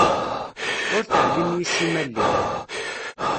Ur teεlim yess-i ma lliɣ.